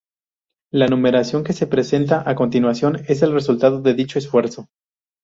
La numeración que se presenta a continuación es el resultado de dicho esfuerzo.